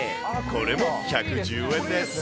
これも１１０円です。